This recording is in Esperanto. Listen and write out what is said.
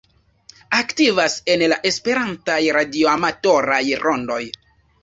Aktivas en la esperantaj radioamatoraj rondoj.